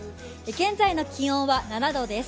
現在の気温は７度です。